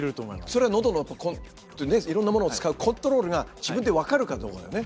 それはのどのいろんなものを使うコントロールが自分で分かるかどうかだよね。